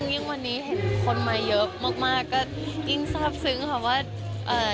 ยิ่งวันนี้เห็นคนมาเยอะมากก็ยิ่งซับซึ้งค่ะว่า